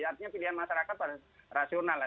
artinya pilihan masyarakat harus rasional lah